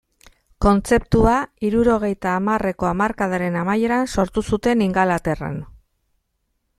Kontzeptua hirurogeita hamarreko hamarkadaren amaieran sortu zuten Ingalaterran.